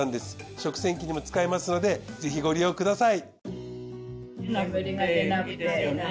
食洗機にも使えますのでぜひご利用ください。